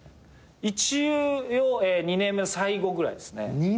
一応２年目の最後ぐらいですね。